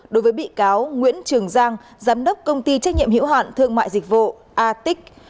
đối với bị cáo nguyễn trường giang giám đốc công ty trách nhiệm hiệu hạn thương mại dịch vụ a tic